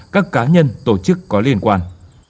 các cá nhân tổ chức có liên quan